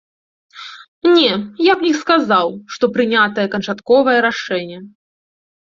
Не, я б не сказаў, што прынятае канчатковае рашэнне.